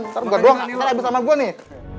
ntar gua doang cari abis sama gua nih